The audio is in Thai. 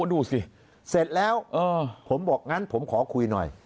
ดูสิเสร็จแล้วผมบอกงั้นผมขอคุยหน่อย